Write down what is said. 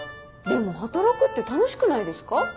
でも働くって楽しくないですか？